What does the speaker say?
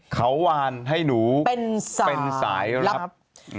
เขาวานให้หนูเป็นสายลับ